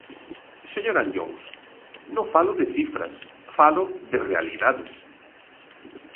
Señor Anllóns, non falo de cifras, falo de realidades.